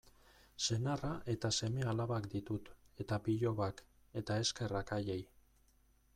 Senarra eta seme-alabak ditut, eta bilobak, eta eskerrak haiei.